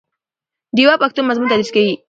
ډیوه پښتو مضمون تدریس کوي